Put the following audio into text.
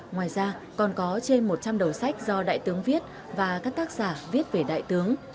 ngoài ra còn có trên một trăm linh đầu sách do đại tướng viết và các tác giả viết về đại tướng